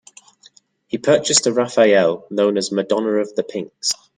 He purchased a Raphael, known as "Madonna of the Pinks".